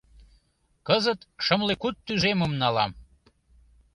Кызыт шымле куд тӱжемым налам.